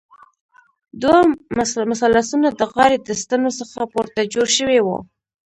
دوه مثلثونه د غاړې د ستنو څخه پورته جوړ شوي وو.